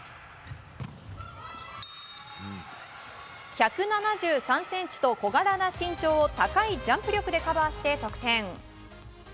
１７３ｃｍと小柄な身長を高いジャンプ力でカバーして得点。